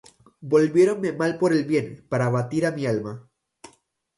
Volviéronme mal por bien, Para abatir á mi alma.